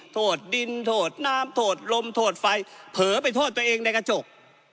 โทษดินโทษน้ำโทษลมโทษไฟเผลอไปโทษตัวเองในกระจก